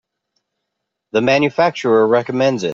The manufacturer recommends it.